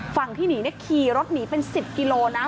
ฝั่งที่หนีขี่รถหนีเป็น๑๐กิโลนะ